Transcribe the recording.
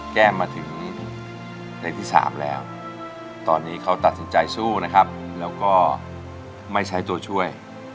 แก้มมาถึงเพลงที่๓แล้วตอนนี้เขาตัดสินใจสู้นะครับแล้วก็ไม่ใช้ตัวช่วย